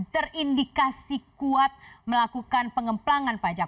terindikasi kuat melakukan pengemplangan pajak